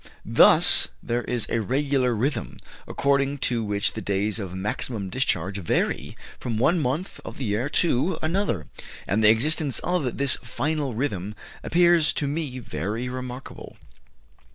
Thus, there is a regular rhythm, according to which the days of maximum discharge vary from one month of the year to another; and the existence of this final rhythm appears to me very remarkable.